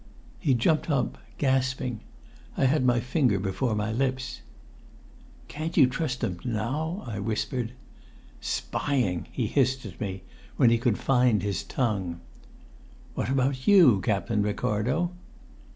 He jumped up, gasping. I had my finger before my lips. "Can't you trust them now?" I whispered. "Spying!" he hissed when he could find his tongue. "What about you, Captain Ricardo?"